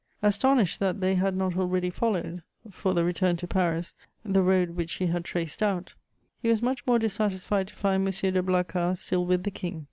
Astonished that they had not already followed, for the return to Paris, the road which he had traced out, he was much more dissatisfied to find M. de Blacas still with the King.